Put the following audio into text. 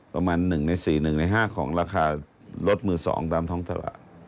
ประมาณ๑ใน๔๑ใน๕ของราคารถมือ๒ตามท้องตลาด